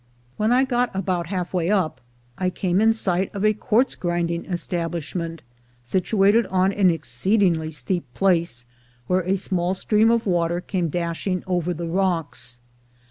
When I had got about half way up, I came in sight of a quartz grinding establishment, situated on an ex ceedingly steep place, where a small stream of water came dashing over the rocks.